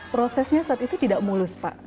prosesnya saat itu tidak mulus pak